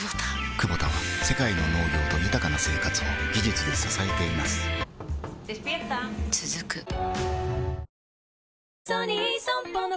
クボタは世界の農業と豊かな生活を技術で支えています起きて。